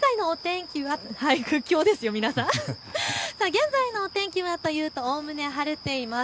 現在のお天気、おおむね晴れています。